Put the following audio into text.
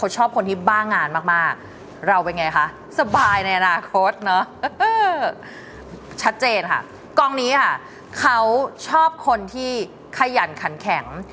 เจนค่ะกล้องนี้ค่ะเขาชอบคนที่ขยันขันแข็ง